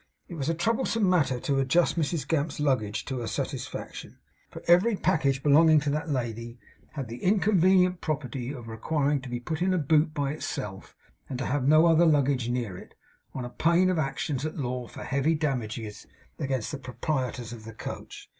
It was a troublesome matter to adjust Mrs Gamp's luggage to her satisfaction; for every package belonging to that lady had the inconvenient property of requiring to be put in a boot by itself, and to have no other luggage near it, on pain of actions at law for heavy damages against the proprietors of the coach.